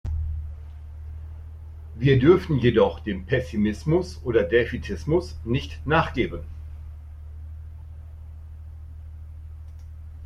Wir dürfen jedoch dem Pessimismus oder Defätismus nicht nachgeben.